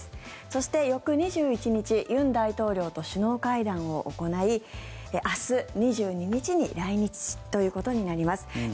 そして、翌２１日尹大統領と首脳会談を行い明日２２日に来日ということになります。